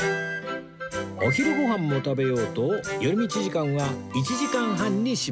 お昼ご飯も食べようと寄り道時間は１時間半にしました